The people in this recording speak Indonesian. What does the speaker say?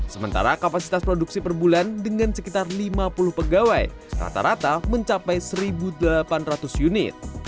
sementara kapasitas produksi per bulan dengan sekitar lima puluh pegawai rata rata mencapai satu delapan ratus unit